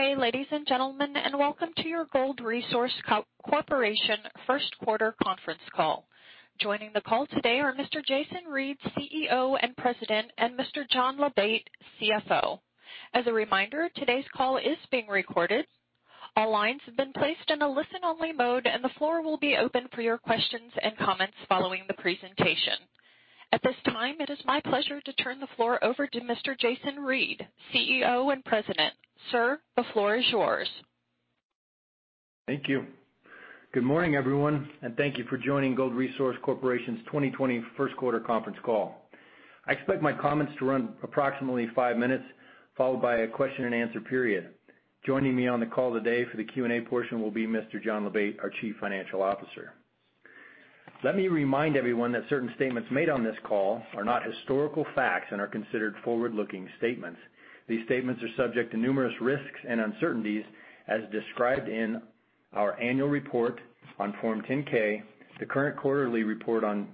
Good day, ladies and gentlemen, and welcome to your Gold Resource Corporation First Quarter Conference Call. Joining the call today are Mr. Jason Reid, CEO and President, and Mr. John Labate, CFO. As a reminder, today's call is being recorded. All lines have been placed in a listen-only mode, and the floor will be open for your questions and comments following the presentation. At this time, it is my pleasure to turn the floor over to Mr. Jason Reid, CEO and President. Sir, the floor is yours. Thank you. Good morning, everyone, and thank you for joining Gold Resource Corporation's 2020 First Quarter Conference Call. I expect my comments to run approximately five minutes, followed by a question-and-answer period. Joining me on the call today for the Q&A portion will be Mr. John Labate, our Chief Financial Officer. Let me remind everyone that certain statements made on this call are not historical facts and are considered forward-looking statements. These statements are subject to numerous risks and uncertainties, as described in our annual report on Form 10-K, the current quarterly report on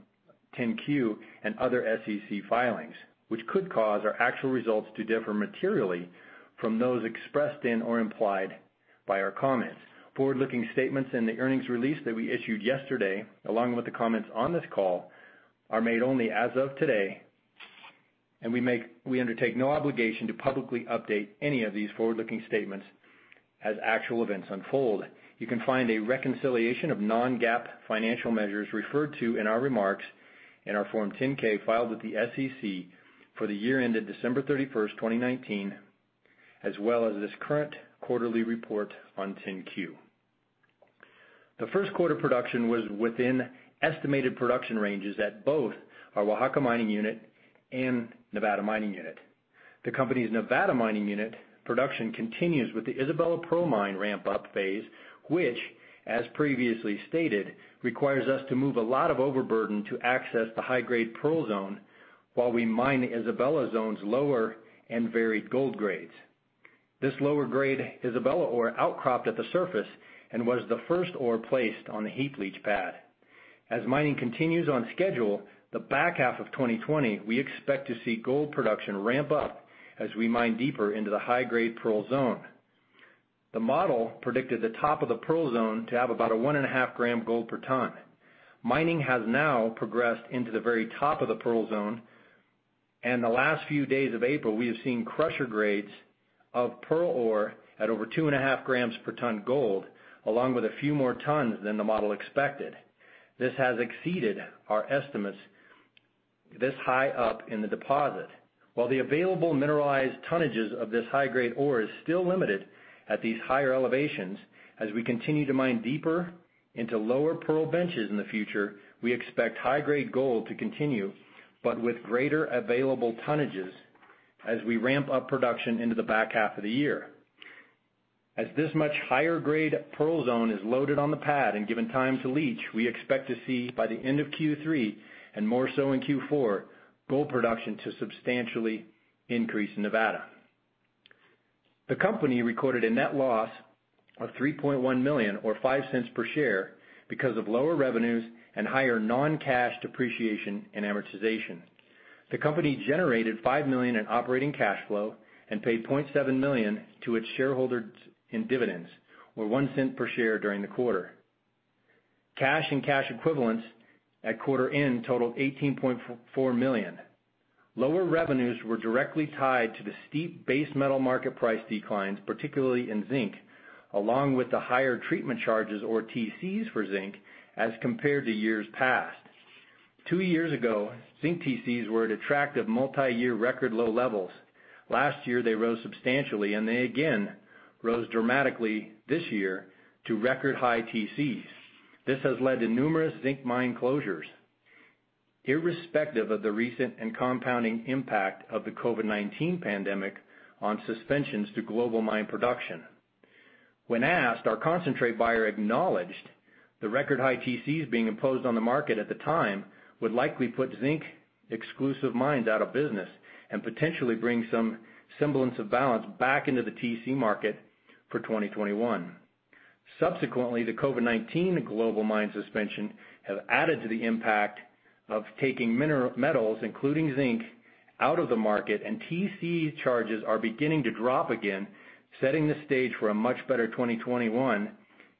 10-Q, and other SEC filings, which could cause our actual results to differ materially from those expressed in or implied by our comments. Forward-looking statements in the earnings release that we issued yesterday, along with the comments on this call, are made only as of today, and we undertake no obligation to publicly update any of these forward-looking statements as actual events unfold. You can find a reconciliation of non-GAAP financial measures referred to in our remarks in our Form 10-K filed with the SEC for the year ended December 31, 2019, as well as this current quarterly report on 10-Q. The first-quarter production was within estimated production ranges at both our Oaxaca Mining Unit and Nevada Mining Unit. The company's Nevada Mining Unit production continues with the Isabella Pearl mine ramp-up phase, which, as previously stated, requires us to move a lot of overburden to access the high-grade Pearl zone while we mine the Isabella zone's lower and varied gold grades. This lower grade Isabella ore outcropped at the surface and was the first ore placed on the heap leach pad. As mining continues on schedule the back half of 2020, we expect to see gold production ramp up as we mine deeper into the high-grade Pearl zone. The model predicted the top of the Pearl zone to have about a one-and-a-half-gram gold per ton. Mining has now progressed into the very top of the Pearl zone, and the last few days of April, we have seen crusher grades of Pearl ore at over two-and-a-half grams per ton gold, along with a few more tons than the model expected. This has exceeded our estimates this high up in the deposit. While the available mineralized tonnages of this high-grade ore are still limited at these higher elevations, as we continue to mine deeper into lower pearl benches in the future, we expect high-grade gold to continue, but with greater available tonnages as we ramp up production into the back half of the year. As this much higher-grade Pearl zone is loaded on the pad and given time to leach, we expect to see, by the end of Q3 and more so in Q4, gold production to substantially increase in Nevada. The company recorded a net loss of $3.1 million or $0.05 per share because of lower revenues and higher non-cash depreciation and amortization. The company generated $5 million in operating cash flow and paid $0.7 million to its shareholders in dividends, or $0.01 per share during the quarter. Cash and cash equivalents at quarter end totaled $18.4 million. Lower revenues were directly tied to the steep base metal market price declines, particularly in zinc, along with the higher treatment charges, or TCs, for zinc as compared to years past. Two years ago, zinc TCs were at attractive multi-year record low levels. Last year, they rose substantially, and they again rose dramatically this year to record high TCs. This has led to numerous zinc mine closures, irrespective of the recent and compounding impact of the COVID-19 pandemic on suspensions to global mine production. When asked, our concentrate buyer acknowledged the record high TCs being imposed on the market at the time would likely put zinc-exclusive mines out of business and potentially bring some semblance of balance back into the TC market for 2021. Subsequently, the COVID-19 global mine suspension has added to the impact of taking metals, including zinc, out of the market, and TC charges are beginning to drop again, setting the stage for a much better 2021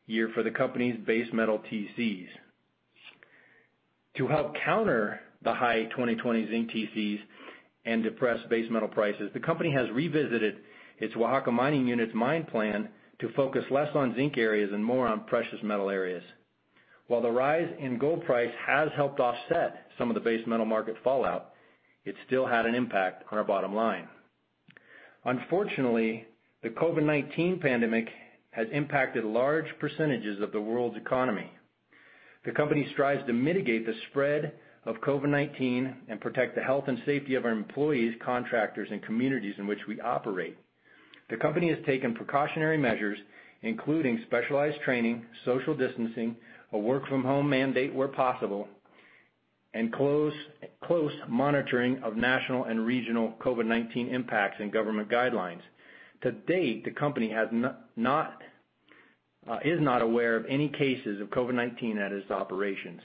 year for the company's base metal TCs. To help counter the high 2020 zinc TCs and depress base metal prices, the company has revisited its Oaxaca Mining Unit's mine plan to focus less on zinc areas and more on precious metal areas. While the rise in gold price has helped offset some of the base metal market fallout, it still had an impact on our bottom line. Unfortunately, the COVID-19 pandemic has impacted large percentages of the world's economy. The company strives to mitigate the spread of COVID-19 and protect the health and safety of our employees, contractors, and communities in which we operate. The company has taken precautionary measures, including specialized training, social distancing, a work-from-home mandate where possible, and close monitoring of national and regional COVID-19 impacts and government guidelines. To date, the company is not aware of any cases of COVID-19 at its operations.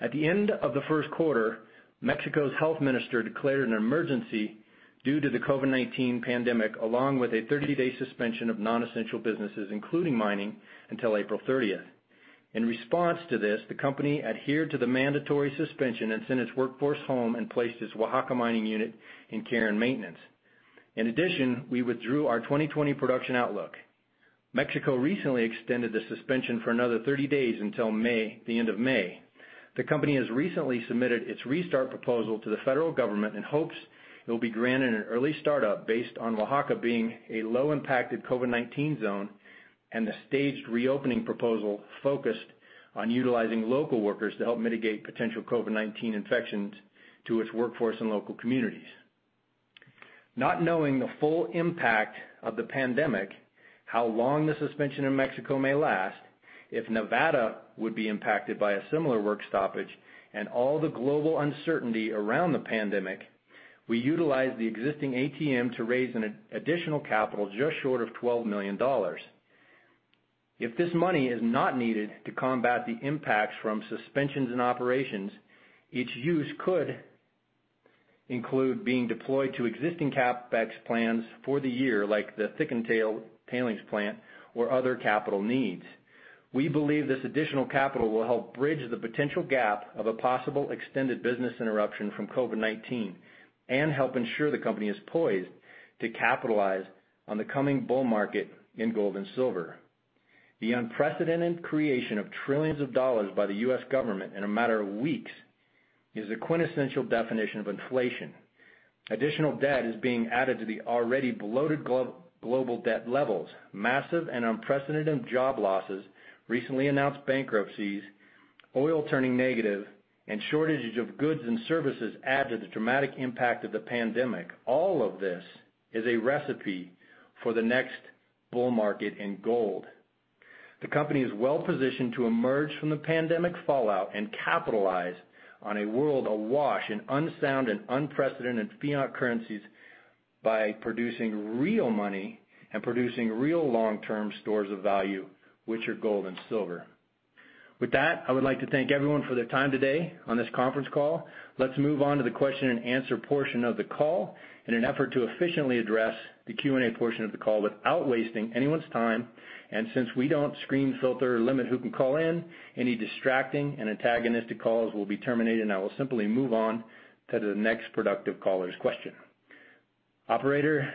At the end of the first quarter, Mexico's health minister declared an emergency due to the COVID-19 pandemic, along with a 30-day suspension of non-essential businesses, including mining, until April 30. In response to this, the company adhered to the mandatory suspension and sent its workforce home and placed its Oaxaca Mining Unit in care and maintenance. In addition, we withdrew our 2020 production outlook. Mexico recently extended the suspension for another 30 days until the end of May. The company has recently submitted its restart proposal to the federal government in hopes it will be granted an early start-up based on Oaxaca being a low-impacted COVID-19 zone and the staged reopening proposal focused on utilizing local workers to help mitigate potential COVID-19 infections to its workforce and local communities. Not knowing the full impact of the pandemic, how long the suspension in Mexico may last, if Nevada would be impacted by a similar work stoppage, and all the global uncertainty around the pandemic, we utilized the existing ATM to raise additional capital just short of $12 million. If this money is not needed to combat the impacts from suspensions and operations, its use could include being deployed to existing CapEx plans for the year, like the thickened tailings plant, or other capital needs. We believe this additional capital will help bridge the potential gap of a possible extended business interruption from COVID-19 and help ensure the company is poised to capitalize on the coming bull market in gold and silver. The unprecedented creation of trillions of dollars by the U.S. government in a matter of weeks is the quintessential definition of inflation. Additional debt is being added to the already bloated global debt levels. Massive and unprecedented job losses, recently announced bankruptcies, oil turning negative, and shortages of goods and services add to the dramatic impact of the pandemic. All of this is a recipe for the next bull market in gold. The company is well-positioned to emerge from the pandemic fallout and capitalize on a world awash in unsound and unprecedented fiat currencies by producing real money and producing real long-term stores of value, which are gold and silver. With that, I would like to thank everyone for their time today on this conference call. Let's move on to the question-and-answer portion of the call in an effort to efficiently address the Q&A portion of the call without wasting anyone's time. Since we do not screen, filter, or limit who can call in, any distracting and antagonistic calls will be terminated, and I will simply move on to the next productive caller's question. Operator,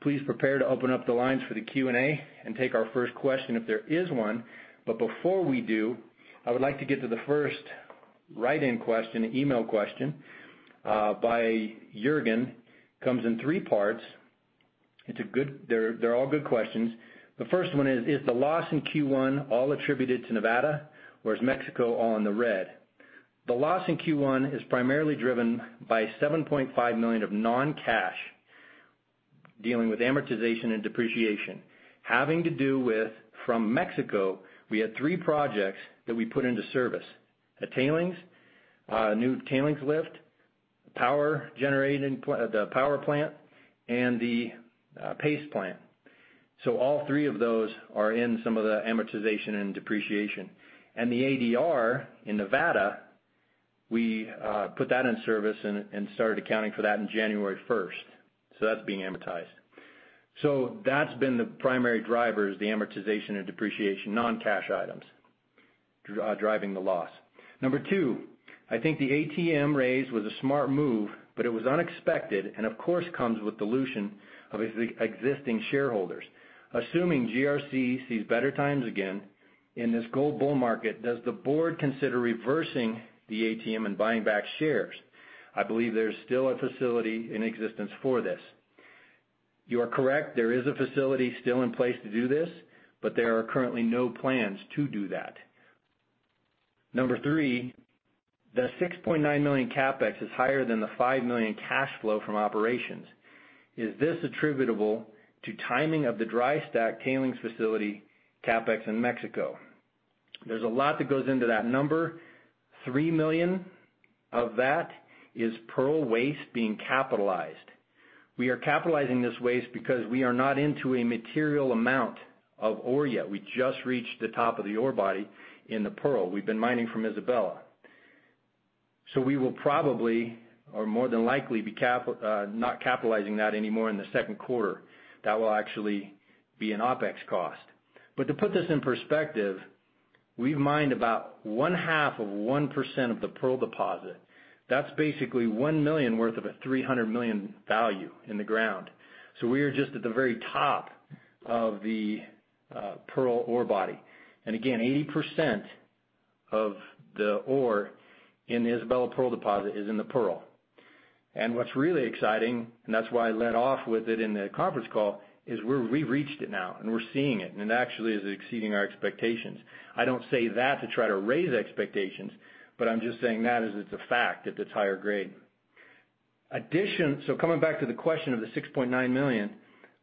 please prepare to open up the lines for the Q&A and take our first question if there is one. Before we do, I would like to get to the first write-in question, email question by Juergen. It comes in three parts. They are all good questions. The first one is, is the loss in Q1 all attributed to Nevada, or is Mexico all in the red? The loss in Q1 is primarily driven by $7.5 million of non-cash dealing with amortization and depreciation. Having to do with, from Mexico, we had three projects that we put into service: a new tailings lift, the power plant, and the paste plant. All three of those are in some of the amortization and depreciation. The ADR in Nevada, we put that in service and started accounting for that on January 1, 2020. That is being amortized. That has been the primary drivers, the amortization and depreciation, non-cash items driving the loss. Number two, I think the ATM raise was a smart move, but it was unexpected and, of course, comes with the dilution of existing shareholders. Assuming GRC sees better times again in this gold bull market, does the board consider reversing the ATM and buying back shares? I believe there is still a facility in existence for this. You are correct. There is a facility still in place to do this, but there are currently no plans to do that. Number three, the $6.9 million CapEx is higher than the $5 million cash flow from operations. Is this attributable to timing of the dry stack tailings facility CapEx in Mexico? There is a lot that goes into that number. $3 million of that is pearl waste being capitalized. We are capitalizing this waste because we are not into a material amount of ore yet. We just reached the top of the ore body in the Pearl we have been mining from Isabella. We will probably, or more than likely, not be capitalizing that anymore in the second quarter. That will actually be an OpEx cost. To put this in perspective, we have mined about one-half of 1% of the Pearl deposit. That's basically $1 million worth of a $300 million value in the ground. We are just at the very top of the Pearl ore body. Again, 80% of the ore in the Isabella Pearl deposit is in the Pearl. What's really exciting, and that's why I led off with it in the conference call, is we've reached it now, and we're seeing it, and it actually is exceeding our expectations. I don't say that to try to raise expectations, but I'm just saying that as it's a fact that it's higher grade. Coming back to the question of the $6.9 million,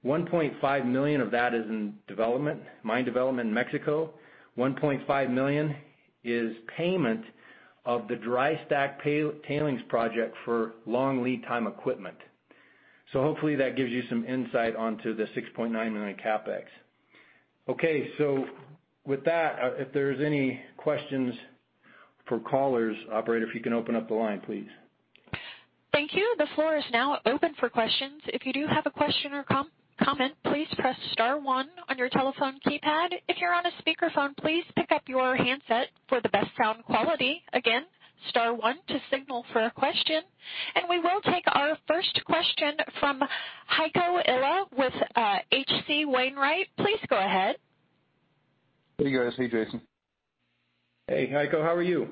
$1.5 million of that is in development, mine development in Mexico. $1.5 million is payment of the dry stack tailings project for long lead-time equipment. Hopefully that gives you some insight onto the $6.9 million CapEx. Okay. With that, if there are any questions for callers, Operator, if you can open up the line, please. Thank you. The floor is now open for questions. If you do have a question or comment, please press star one on your telephone keypad. If you are on a speakerphone, please pick up your handset for the best sound quality. Again, star one to signal for a question. We will take our first question from Heiko Ihle with H.C. Wainwright. Please go ahead. Hey, guys. Hey, Jason. Hey, Heiko. How are you?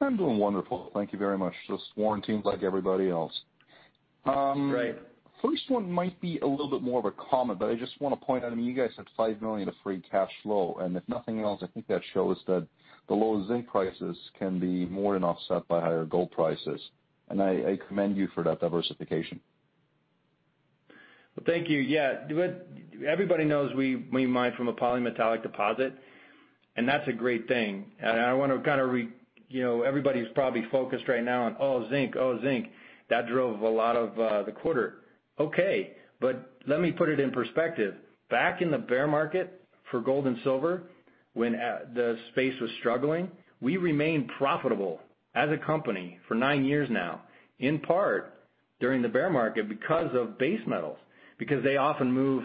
I am doing wonderful. Thank you very much. Just warranting like everybody else. First one might be a little bit more of a comment, but I just want to point out, I mean, you guys have $5 million of free cash flow. If nothing else, I think that shows that the low zinc prices can be more than offset by higher gold prices. I commend you for that diversification. Thank you. Yeah. Everybody knows we mine from a polymetallic deposit, and that is a great thing. I want to kind of everybody's probably focused right now on, "Oh, zinc, oh, zinc." That drove a lot of the quarter. Okay. Let me put it in perspective. Back in the bear market for gold and silver, when the space was struggling, we remained profitable as a company for nine years now, in part during the bear market because of base metals, because they often move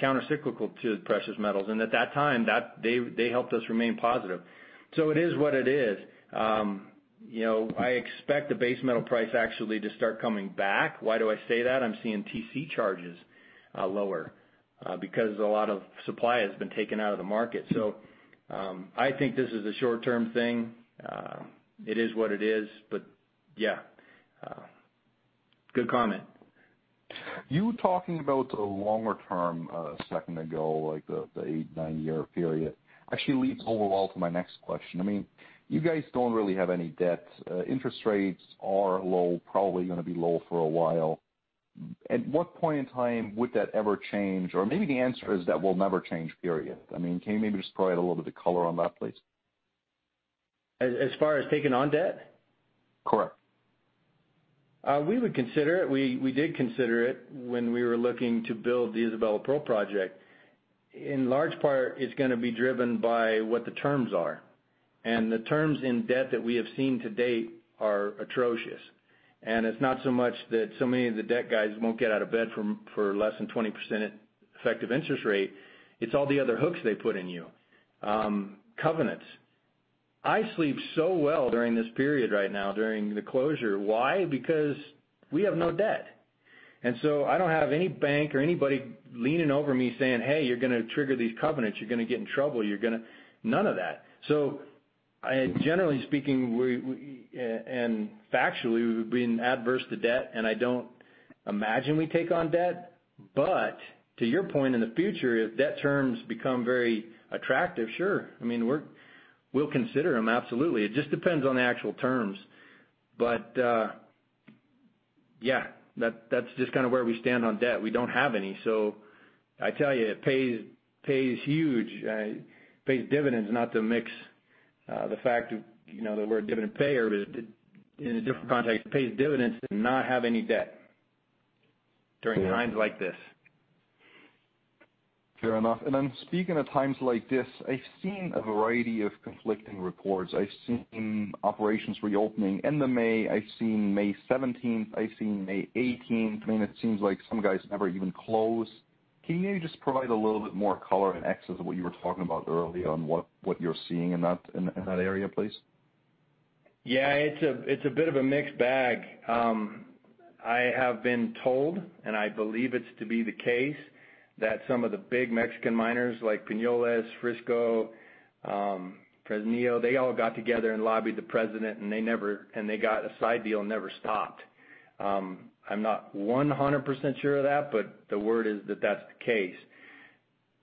countercyclical to precious metals. At that time, they helped us remain positive. It is what it is. I expect the base metal price actually to start coming back. Why do I say that? I'm seeing TC charges lower because a lot of supply has been taken out of the market. I think this is a short-term thing. It is what it is. Yeah, good comment. You were talking about the longer term a second ago, like the eight, nine-year period, actually leads overall to my next question. I mean, you guys do not really have any debt. Interest rates are low, probably going to be low for a while. At what point in time would that ever change? Or maybe the answer is that will never change, period. I mean, can you maybe just provide a little bit of color on that, please? As far as taking on debt? Correct. We would consider it. We did consider it when we were looking to build the Isabella Pearl project. In large part, it is going to be driven by what the terms are. The terms in debt that we have seen to date are atrocious. It is not so much that so many of the debt guys will not get out of bed for less than 20% effective interest rate. It is all the other hooks they put in you. Covenants. I sleep so well during this period right now, during the closure. Why? Because we have no debt. I do not have any bank or anybody leaning over me saying, "Hey, you are going to trigger these covenants. You are going to get in trouble. You are going to..." None of that. Generally speaking, and factually, we have been adverse to debt, and I do not imagine we take on debt. To your point, in the future, if debt terms become very attractive, sure. I mean, we will consider them. Absolutely. It just depends on the actual terms. Yeah, that's just kind of where we stand on debt. We don't have any. I tell you, it pays huge. It pays dividends, not to mix the fact that we're a dividend payer, but in a different context, it pays dividends to not have any debt during times like this. Fair enough. Speaking of times like this, I've seen a variety of conflicting reports. I've seen operations reopening in May. I've seen May 17th. I've seen May 18th. I mean, it seems like some guys never even closed. Can you maybe just provide a little bit more color in excess of what you were talking about earlier on what you're seeing in that area, please? Yeah. It's a bit of a mixed bag. I have been told, and I believe it's to be the case, that some of the big Mexican miners like Peñoles, Frisco, Fresnillo, they all got together and lobbied the president, and they got a side deal and never stopped. I'm not 100% sure of that, but the word is that that's the case.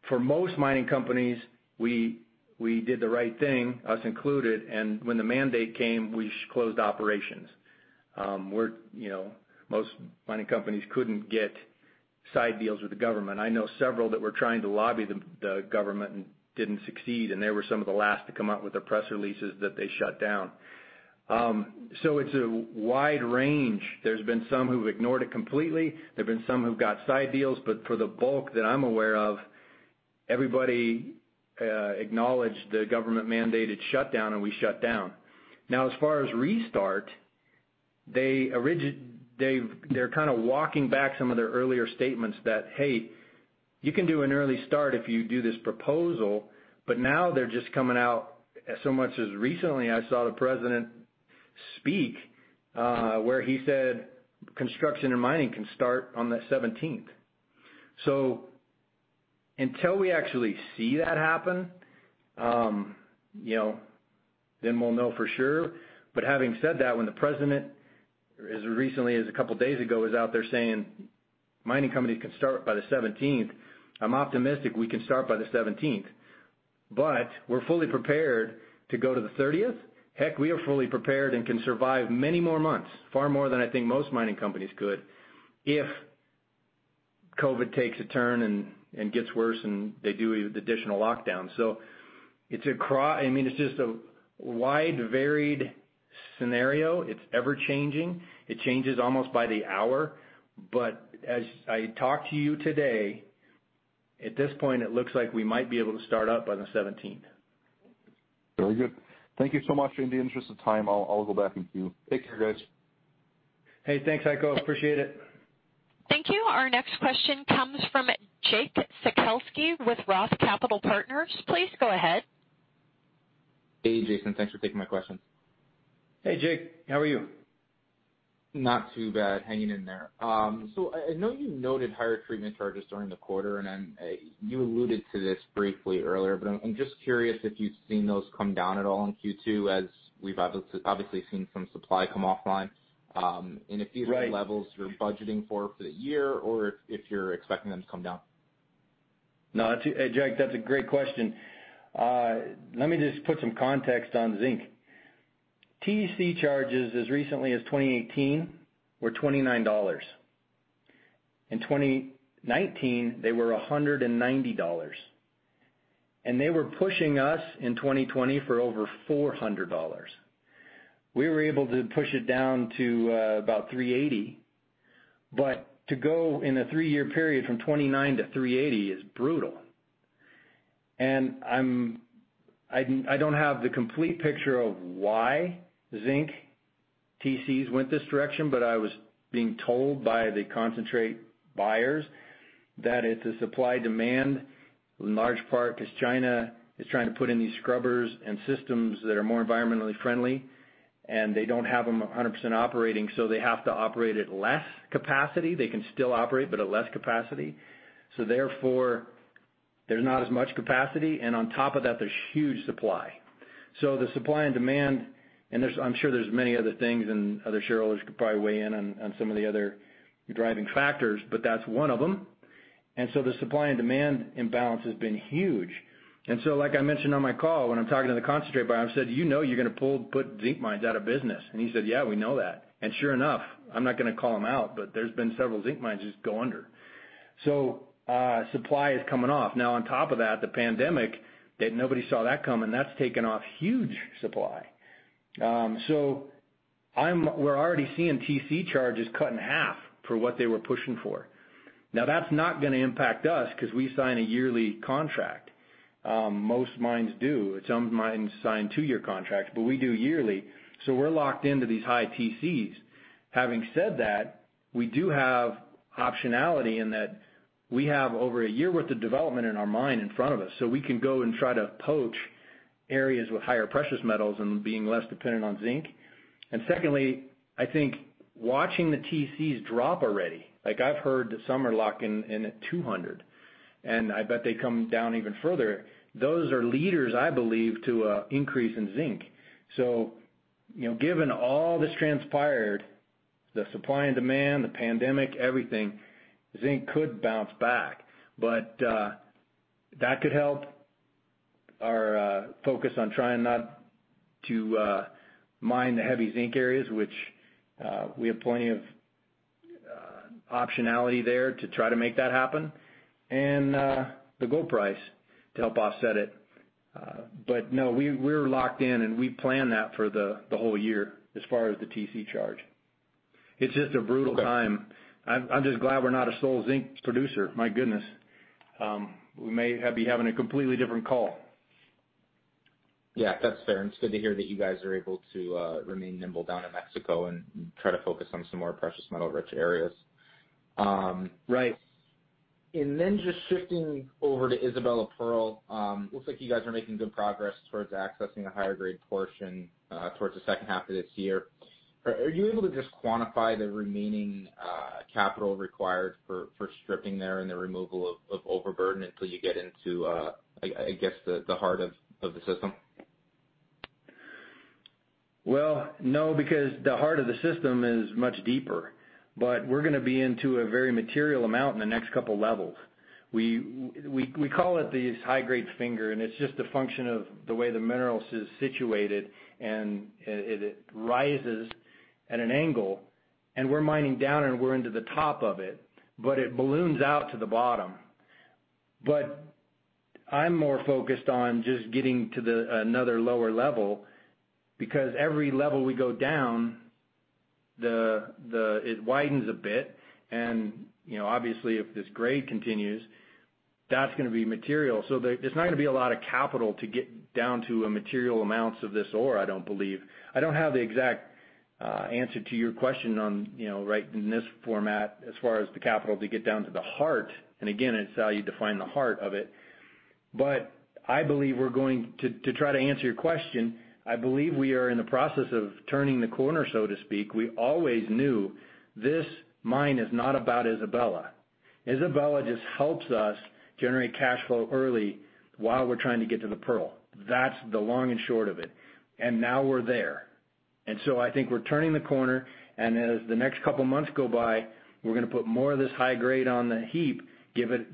For most mining companies, we did the right thing, us included. When the mandate came, we closed operations. Most mining companies couldn't get side deals with the government. I know several that were trying to lobby the government and didn't succeed, and they were some of the last to come out with their press releases that they shut down. It's a wide range. There've been some who've ignored it completely. There've been some who've got side deals. For the bulk that I'm aware of, everybody acknowledged the government-mandated shutdown, and we shut down. Now, as far as restart, they're kind of walking back some of their earlier statements that, "Hey, you can do an early start if you do this proposal." Now they're just coming out, so much as recently I saw the president speak where he said construction and mining can start on the 17th. Until we actually see that happen, then we'll know for sure. Having said that, when the president recently, as a couple of days ago, was out there saying, "Mining companies can start by the 17th," I'm optimistic we can start by the 17th. We're fully prepared to go to the 30th? Heck, we are fully prepared and can survive many more months, far more than I think most mining companies could if COVID takes a turn and gets worse and they do additional lockdowns. I mean, it's just a wide, varied scenario. It's ever-changing. It changes almost by the hour. As I talk to you today, at this point, it looks like we might be able to start up by the 17th. Very good. Thank you so much. In the interest of time, I'll go back and queue. Take care, guys. Hey, thanks, Heiko. Appreciate it. Thank you. Our next question comes from Jake Sekelsky with Roth Capital Partners. Please go ahead. Hey, Jason. Thanks for taking my questions. Hey, Jake. How are you? Not too bad. Hanging in there. I know you noted higher treatment charges during the quarter, and you alluded to this briefly earlier, but I'm just curious if you've seen those come down at all in Q2 as we've obviously seen some supply come offline. If these are levels you're budgeting for for the year or if you're expecting them to come down. No, Jake, that's a great question. Let me just put some context on zinc. TC charges as recently as 2018 were $29. In 2019, they were $190. They were pushing us in 2020 for over $400. We were able to push it down to about $380. To go in a three-year period from $29 to $380 is brutal. I don't have the complete picture of why zinc TCs went this direction, but I was being told by the concentrate buyers that it's a supply-demand in large part because China is trying to put in these scrubbers and systems that are more environmentally friendly, and they don't have them 100% operating, so they have to operate at less capacity. They can still operate, but at less capacity. Therefore, there's not as much capacity. On top of that, there's huge supply. The supply and demand, and I'm sure there's many other things, and other shareholders could probably weigh in on some of the other driving factors, but that's one of them. The supply and demand imbalance has been huge. Like I mentioned on my call when I'm talking to the concentrate buyer, I said, "You know you're going to pull, put zinc mines out of business." He said, "Yeah, we know that." Sure enough, I'm not going to call them out, but there's been several zinc mines just go under. Supply is coming off. Now, on top of that, the pandemic, nobody saw that coming. That's taken off huge supply. We're already seeing TC charges cut in half for what they were pushing for. That's not going to impact us because we sign a yearly contract. Most mines do. Some mines sign two-year contracts, but we do yearly. So we're locked into these high TCs. Having said that, we do have optionality in that we have over a year's worth of development in our mine in front of us, so we can go and try to poach areas with higher precious metals and being less dependent on zinc. Secondly, I think watching the TCs drop already. I've heard that some are locked in at 200, and I bet they come down even further. Those are leaders, I believe, to an increase in zinc. Given all that's transpired, the supply and demand, the pandemic, everything, zinc could bounce back. That could help our focus on trying not to mine the heavy zinc areas, which we have plenty of optionality there to try to make that happen, and the gold price to help offset it. No, we're locked in, and we plan that for the whole year as far as the TC charge. It's just a brutal time. I'm just glad we're not a sole zinc producer. My goodness. We may be having a completely different call. Yeah, that's fair. It's good to hear that you guys are able to remain nimble down in Mexico and try to focus on some more precious metal-rich areas. Right. Just shifting over to Isabella Pearl, it looks like you guys are making good progress towards accessing a higher-grade portion towards the second half of this year. Are you able to just quantify the remaining capital required for stripping there and the removal of overburden until you get into, I guess, the heart of the system? No, because the heart of the system is much deeper. We're going to be into a very material amount in the next couple of levels. We call it the high-grade finger, and it's just a function of the way the mineral is situated, and it rises at an angle. We're mining down, and we're into the top of it, but it balloons out to the bottom. I'm more focused on just getting to another lower level because every level we go down, it widens a bit. Obviously, if this grade continues, that's going to be material. There's not going to be a lot of capital to get down to a material amount of this ore, I don't believe. I don't have the exact answer to your question right in this format as far as the capital to get down to the heart. Again, it's how you define the heart of it. I believe we're going to try to answer your question. I believe we are in the process of turning the corner, so to speak. We always knew this mine is not about Isabella. Isabella just helps us generate cash flow early while we're trying to get to the pearl. That's the long and short of it. Now we're there. I think we're turning the corner. As the next couple of months go by, we're going to put more of this high grade on the heap, give it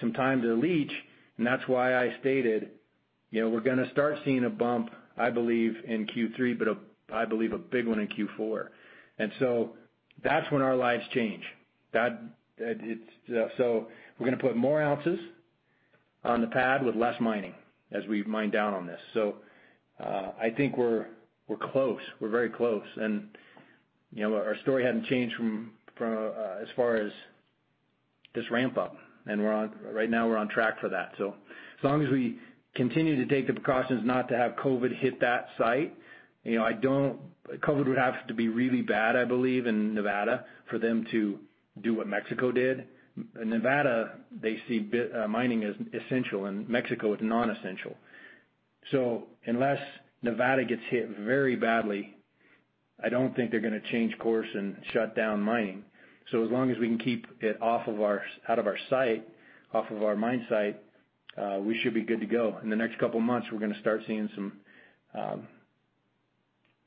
some time to leach. That's why I stated we're going to start seeing a bump, I believe, in Q3. I believe a big one in Q4. That's when our lives change. We're going to put more ounces on the pad with less mining as we mine down on this. I think we're close. We're very close. And our story hasn't changed as far as this ramp-up. Right now, we're on track for that. As long as we continue to take the precautions not to have COVID hit that site, COVID would have to be really bad, I believe, in Nevada for them to do what Mexico did. In Nevada, they see mining as essential, and Mexico as non-essential. Unless Nevada gets hit very badly, I don't think they're going to change course and shut down mining. As long as we can keep it out of our site, off of our mine site, we should be good to go. In the next couple of months, we're going to start seeing some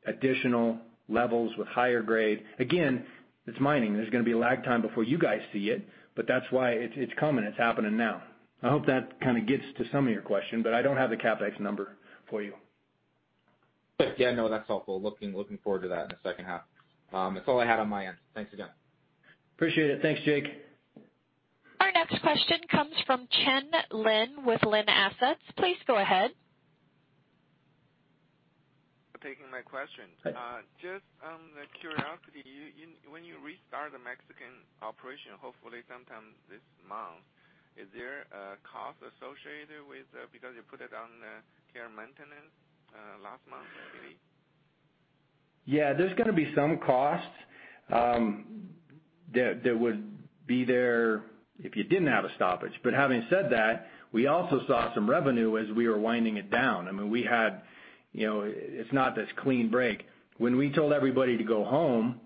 additional levels with higher grade. Again, it's mining. There's going to be a lag time before you guys see it, but that's why it's coming. It's happening now. I hope that kind of gets to some of your question, but I don't have the CapEx number for you. Yeah, no, that's helpful. Looking forward to that in the second half. That's all I had on my end. Thanks again. Appreciate it. Thanks, Jake. Our next question comes from Chen Lin with Lin Assets. Please go ahead. Taking my question. Just out of curiosity, when you restart the Mexican operation, hopefully sometime this month, is there a cost associated with because you put it on care maintenance last month, I believe? Yeah. There's going to be some cost that would be there if you didn't have a stoppage. Having said that, we also saw some revenue as we were winding it down. I mean, we had it's not this clean break. When we told everybody to go home,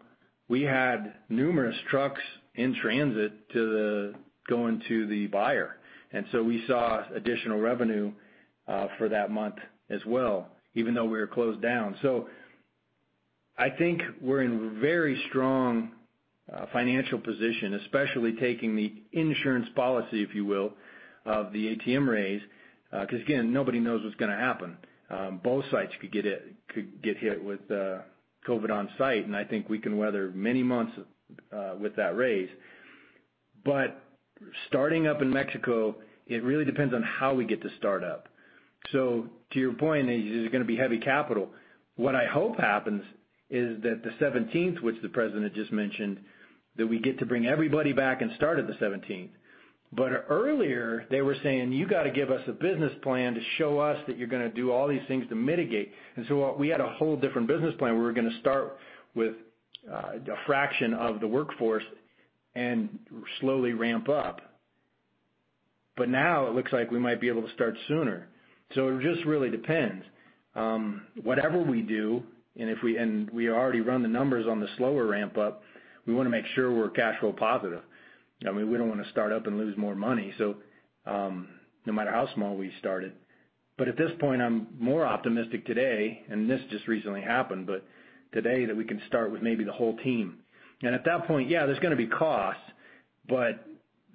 we had numerous trucks in transit going to the buyer. And so we saw additional revenue for that month as well, even though we were closed down. I think we're in a very strong financial position, especially taking the insurance policy, if you will, of the ATM raise. Because again, nobody knows what's going to happen. Both sites could get hit with COVID on site, and I think we can weather many months with that raise. Starting up in Mexico, it really depends on how we get to start up. To your point, there's going to be heavy capital. What I hope happens is that the 17th, which the president just mentioned, that we get to bring everybody back and start at the 17th. Earlier, they were saying, "You got to give us a business plan to show us that you're going to do all these things to mitigate." We had a whole different business plan. We were going to start with a fraction of the workforce and slowly ramp up. Now it looks like we might be able to start sooner. It just really depends. Whatever we do, and we already run the numbers on the slower ramp-up, we want to make sure we're cash flow positive. I mean, we don't want to start up and lose more money, no matter how small we started. At this point, I'm more optimistic today, and this just recently happened, but today that we can start with maybe the whole team. At that point, yeah, there's going to be costs, but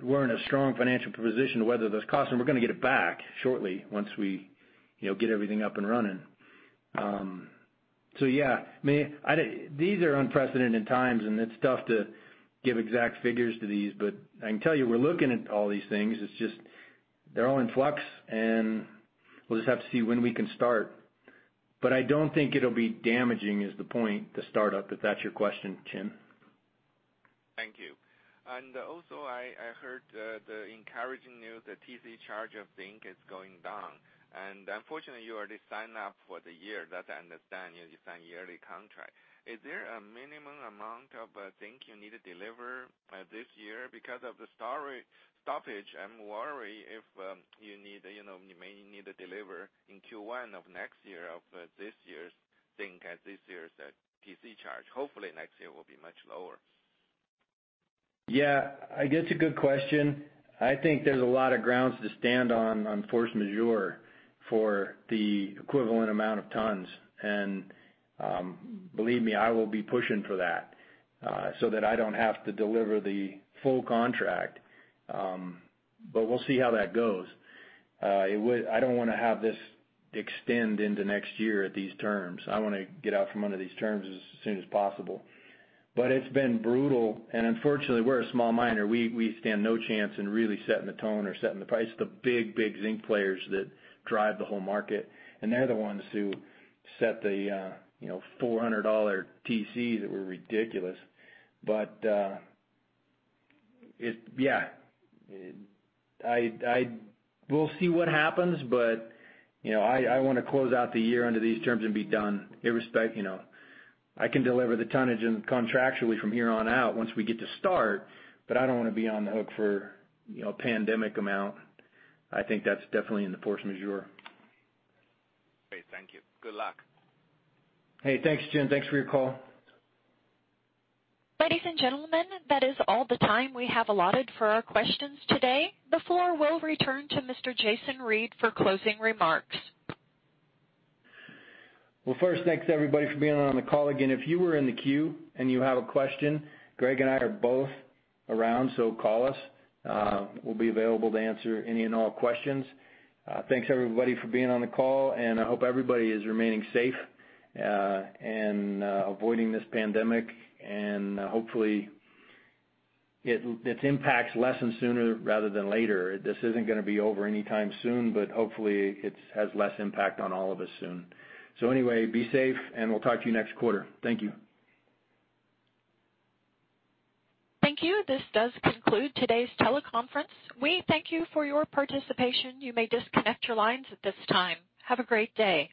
we're in a strong financial position to weather those costs, and we're going to get it back shortly once we get everything up and running. These are unprecedented times, and it's tough to give exact figures to these, but I can tell you we're looking at all these things. It's just they're all in flux, and we'll just have to see when we can start. I don't think it'll be damaging is the point to start up, if that's your question, Chen. Thank you. I heard the encouraging news that TC charge of zinc is going down. Unfortunately, you already signed up for the year. That I understand, you signed a yearly contract. Is there a minimum amount of zinc you need to deliver this year? Because of the stoppage, I'm worried if you may need to deliver in Q1 of next year of this year's zinc and this year's TC charge. Hopefully, next year will be much lower. Yeah. That's a good question. I think there's a lot of grounds to stand on, force majeure, for the equivalent amount of tons. Believe me, I will be pushing for that so that I don't have to deliver the full contract. We'll see how that goes. I don't want to have this extend into next year at these terms. I want to get out from under these terms as soon as possible. It's been brutal. Unfortunately, we're a small miner. We stand no chance in really setting the tone or setting the price. The big, big zinc players that drive the whole market, and they're the ones who set the $400 TC that were ridiculous. Yeah, we'll see what happens, but I want to close out the year under these terms and be done, irrespective. I can deliver the tonnage contractually from here on out once we get to start, but I don't want to be on the hook for a pandemic amount. I think that's definitely in the force majeure. Great. Thank you. Good luck. Hey, thanks, Chen. Thanks for your call. Ladies and gentlemen, that is all the time we have allotted for our questions today. Before we return to Mr. Jason Reid for closing remarks. First, thanks everybody for being on the call. Again, if you were in the queue and you have a question, Greg and I are both around, so call us. We'll be available to answer any and all questions. Thanks everybody for being on the call, and I hope everybody is remaining safe and avoiding this pandemic. Hopefully, its impact's lessened sooner rather than later. This isn't going to be over anytime soon, but hopefully, it has less impact on all of us soon. Be safe, and we'll talk to you next quarter. Thank you. Thank you. This does conclude today's teleconference. We thank you for your participation. You may disconnect your lines at this time. Have a great day.